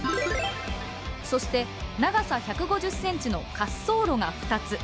そして長さ１５０センチの滑走路が２つ。